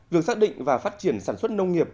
việc xác định và phát triển sản xuất nông nghiệp